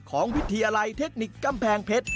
วิทยาลัยเทคนิคกำแพงเพชร